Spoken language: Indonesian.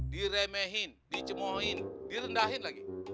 diremehin dicemoin direndahin lagi